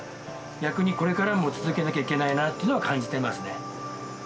逆にこれからも続けなきゃいけないなっていうのは感じてますね。